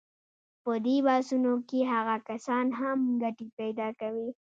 په دې بحثونو کې هغه کسان هم ګټې پیدا کوي.